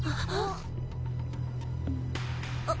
あっ。